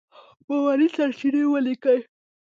باوري سرچينې وليکئ!.